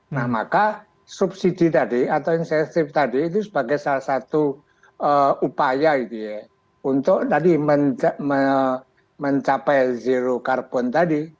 nah maka subsidi tadi atau insentif tadi itu sebagai salah satu upaya gitu ya untuk tadi mencapai zero carbon tadi